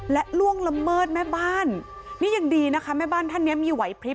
และล่วงละเมิดแม่บ้านนี่ยังดีนะคะแม่บ้านท่านเนี้ยมีไหวพลิบ